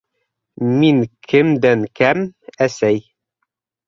- Мин кемдән кәм, әсәй?